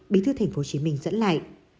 bí thư tp hcm dẫn lại